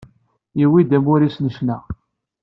Yewwi-d amur-is n ccna.